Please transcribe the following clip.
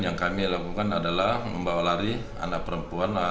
yang kami lakukan adalah membawa lari anak perempuan